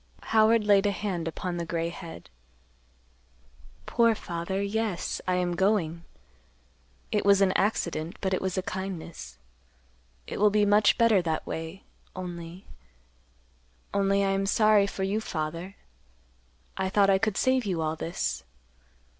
Howard laid a hand upon the gray head. "Poor father; yes, I am going. It was an accident, but it was a kindness. It will be much better that way—only—only I am sorry for you, father. I thought I could save you all this.